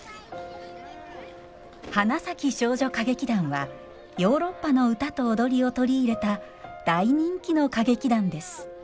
花咲少女歌劇団はヨーロッパの歌と踊りを取り入れた大人気の歌劇団です